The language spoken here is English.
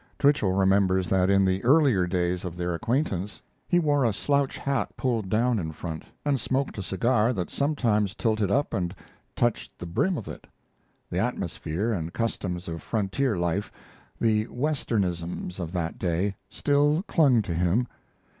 Twichell remembers that in the earlier days of their acquaintance he wore a slouch hat pulled down in front, and smoked a cigar that sometimes tilted up and touched the brim of it. The atmosphere and customs of frontier life, the Westernisms of that day, still clung to him.